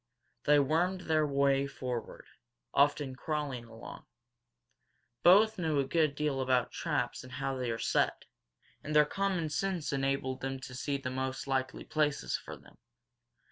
They wormed their way forward, often crawling along. Both knew a good deal about traps and how they are set, and their common sense enabled them to see the most likely places for them.